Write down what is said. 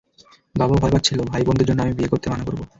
বাবা ভয় পাচ্ছিল ভাই-বোনদের জন্য আমি বিয়ে করতে মানা করব।